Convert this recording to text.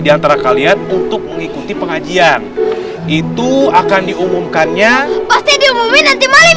diantara kalian untuk mengikuti pengajian itu akan diumumkannya pasti diumumin nanti malam